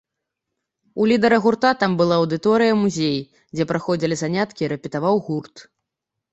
У лідара гурта там была аўдыторыя-музей, дзе праходзілі заняткі і рэпетаваў гурт.